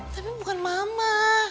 tapi bukan mama